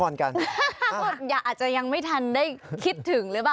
อาจจะยังไม่ทันได้คิดถึงหรือเปล่า